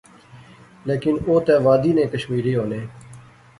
لیکن او تہ وادی نے کشمیری ہونے